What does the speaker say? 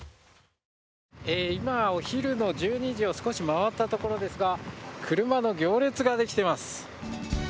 今、昼１２時を少し回ったところですが車の行列ができています。